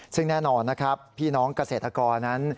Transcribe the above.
ซึ่งแน่นอนนะครับพี่น้องเกษตรกรนั้น